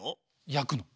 焼くの？